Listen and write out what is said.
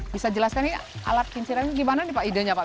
bisa jelaskan ini alat kinciran ini gimana nih pak idenya pak